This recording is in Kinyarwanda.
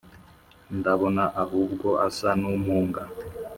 ndabona ahubwo asa n’umpunga